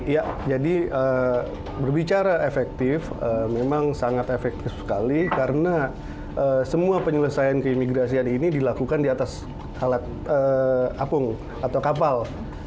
ya jadi berbicara efektif memang sangat efektif sekali karena semua penyelesaian keimigrasian ini dilakukan di atas alat apung atau kapal